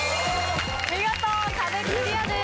見事壁クリアです。